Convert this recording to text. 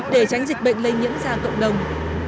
để tránh dịch bệnh lên những gia cộng đồng